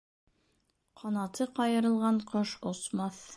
Ҡанаты ҡайырылған ҡош осмаҫ.